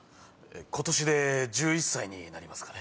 今年で１１歳になりますかね。